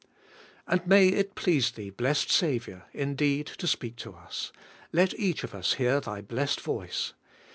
And it may please Thee, blessed Saviour, indeed, to speak to us; let each of us hear Thy blessed voice.